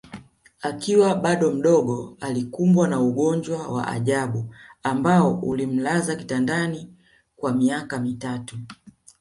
Akiwa bado mdogo alikumbwa na ugonjwa wa ajabu ambao ulimlaza kitandani kwa miaka mitatu